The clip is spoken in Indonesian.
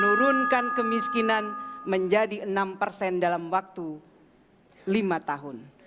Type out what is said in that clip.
menurunkan kemiskinan menjadi enam persen dalam waktu lima tahun